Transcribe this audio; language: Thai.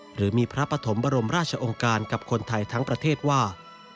หรือมีพระปฐมบรมราชองค์การกับคนไทยทั้งประเทศว่า